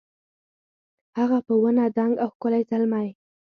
هغه په ونه دنګ او ښکلی زلمی